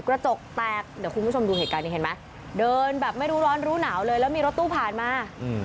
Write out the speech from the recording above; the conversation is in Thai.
กระจกแตกเดี๋ยวคุณผู้ชมดูเหตุการณ์นี้เห็นไหมเดินแบบไม่รู้ร้อนรู้หนาวเลยแล้วมีรถตู้ผ่านมา